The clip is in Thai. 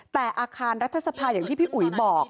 แต่อาคารรัฐสภาอย่างที่พี่อุ๋ยบอก